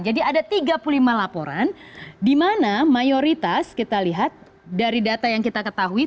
jadi ada tiga puluh lima laporan di mana mayoritas kita lihat dari data yang kita ketahui